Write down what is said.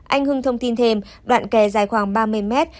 anh hưng thông tin thêm đoạn kè dài khoảng ba mươi mét